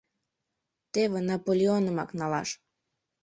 Теве Наполеонымак налаш.